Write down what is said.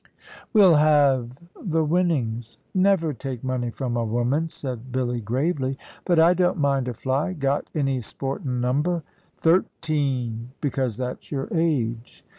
"We'll halve the winnings." "Never take money from a woman," said Billy, gravely; "but I don't mind a fly. Got any sportin' number?" "Thirteen, because that's your age.